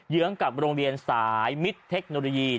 ื้องกับโรงเรียนสายมิตรเทคโนโลยี